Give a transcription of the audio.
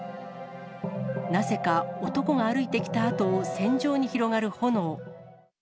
なぜか、男が歩いてきたあとを線状に広がる炎。